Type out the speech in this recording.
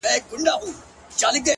پيل كي وړه كيسه وه غـم نه وو.